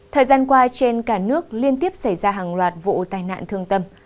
thời gian qua trên cả nước liên tiếp xảy ra hàng loạt vụ tai nạn thương tâm